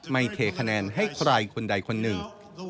เทคะแนนให้ใครคนใดคนหนึ่ง